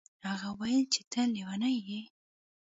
هغې وویل چې ته لیونی یې.